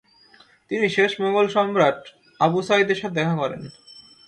তিনি শেষ মোঙ্গল সম্রাট আবু সাইদের সাথে দেখা করেন।